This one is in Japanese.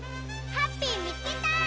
ハッピーみつけた！